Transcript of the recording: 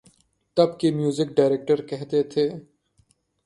تب کے music director کہتے تھے۔